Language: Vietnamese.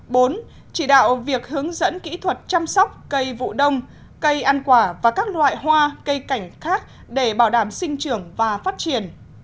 bốn chỉ đạo việc hướng dẫn kỹ thuật chăm sóc cây vụ đông cây ăn quả và các loại hoa cây cảnh khác để bảo đảm sinh trưởng và phát triển